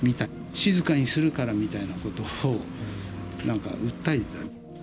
静かにするからみたいなことを、なんか訴えてた。